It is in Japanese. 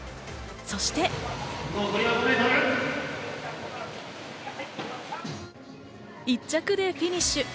そして１着でフィニッシュ。